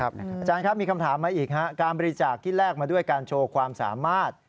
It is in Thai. อาจารย์ครับมีคำถามมาอีกการบริจาคที่แลกมาด้วยการโชว์ความสามารถ